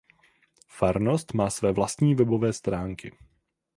Farnost má své vlastní webové stránky.